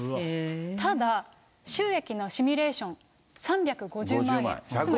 ただ、収益のシミュレーション、３５０万円。